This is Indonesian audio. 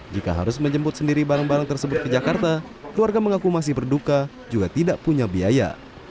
jika harus menjemput sendiri barang barang tersebut ke jakarta keluarga mengaku masih berduka juga tidak punya biaya